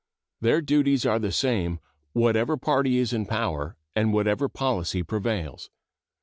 Their duties are the same whatever party is in power and whatever policy prevails.